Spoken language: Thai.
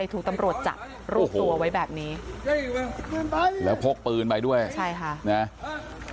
ทุกตำรวจจับรูปตัวไว้แบบนี้โอ้โหแล้วพกปืนไปด้วยใช่ค่ะเนี่ย